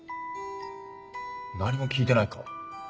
何も聞いてないか？